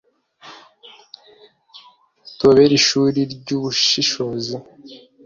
tubabere ishuri ry’ubushishozi